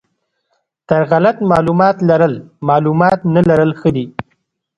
تر غلط معلومات لرل معلومات نه لرل ښه دي.